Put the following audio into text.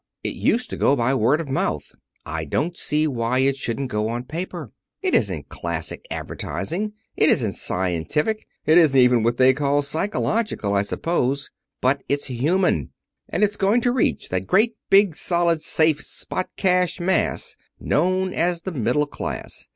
It used to go by word of mouth. I don't see why it shouldn't go on paper. It isn't classic advertising. It isn't scientific. It isn't even what they call psychological, I suppose. But it's human. And it's going to reach that great, big, solid, safe, spot cash mass known as the middle class.